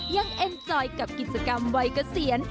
เอ็นจอยกับกิจกรรมวัยเกษียณ